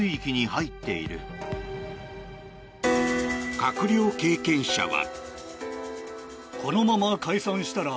閣僚経験者は。